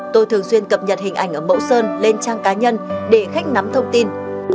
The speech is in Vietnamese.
tôi thường xuyên cập nhật hình ảnh ở mẫu sơn lên trang cá nhân để khách nắm thông tin